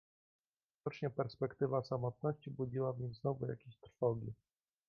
"Widocznie perspektywa samotności budziła w nim znowu jakieś trwogi."